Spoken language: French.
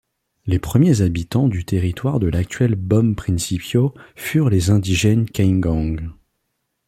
Les premiers habitants du territoire de l'actuelle Bom Princípio furent les indigènes Kaingang.